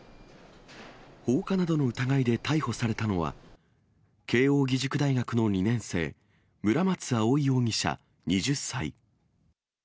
放火などの疑いで逮捕されたのは、慶応義塾大学の２年生、村松葵容疑者２０歳。